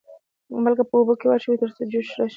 مالګه په اوبو کې واچوئ تر څو جوش راشي.